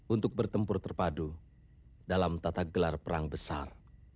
untuk bertempur terpadu dalam tata gelar perang besar